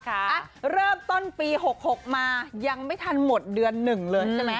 ระเบิดโรงคมเริ่มต้นปี๕๖มายังไม่ทันหมดเดือนหนึ่งเลย